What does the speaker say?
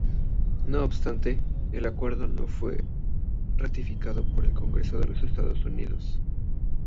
No obstante, el acuerdo no fue ratificado por el Congreso de los Estados Unidos.